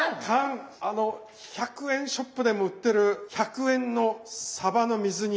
あの１００円ショップでも売ってる１００円のさばの水煮。